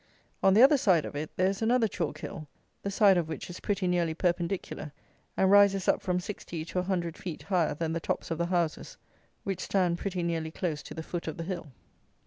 On the other side of it there is another chalk hill, the side of which is pretty nearly perpendicular, and rises up from sixty to a hundred feet higher than the tops of the houses, which stand pretty nearly close to the foot of the hill.